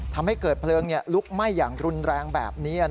ทำให้เกิดเพลิงลุกไหม้อย่างรุนแรงแบบนี้